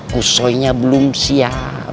kusoy nya belum siap